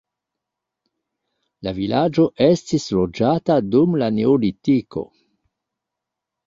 La vilaĝo estis loĝata dum la neolitiko.